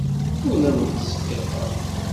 Ur awent-ttseffiqeɣ.